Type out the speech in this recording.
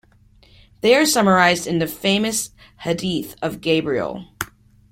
They are summarized in the famous hadith of Gabriel.